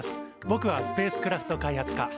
ぼくはスペースクラフト開発科。